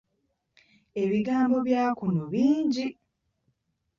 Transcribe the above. Ebigambo bya kuno bingi.